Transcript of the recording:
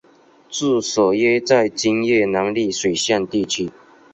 治所约在今越南丽水县地区。